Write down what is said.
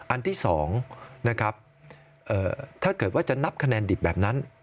อันที่๒นะครับถ้าเกิดว่าจะนับคะแนนดิบแบบนั้น